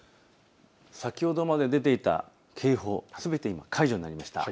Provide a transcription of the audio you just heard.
先ほどまで出ていた警報、すべて今、解除になりました。